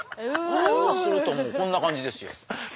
そうするともうこんな感じですよ。